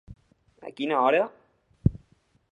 A quina hora.